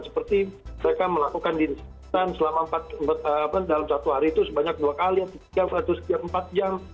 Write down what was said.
seperti mereka melakukan disintan selama dalam satu hari itu sebanyak dua kali atau setiap empat jam